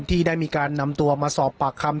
ที่ได้มีการนำตัวมาสอบปากคำ